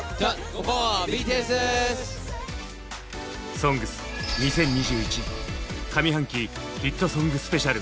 「ＳＯＮＧＳ」２０２１上半期ヒットソングスペシャル！